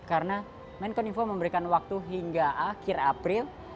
karena menko minfo memberikan waktu hingga akhir april